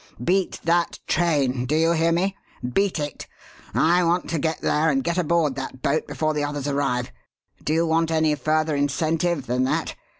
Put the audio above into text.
Beat that train do you hear me? beat it! I want to get there and get aboard that boat before the others arrive. Do you want any further incentive than that?